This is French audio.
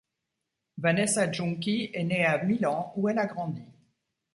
Vanessa Giunchi est née à Milan où elle a grandi.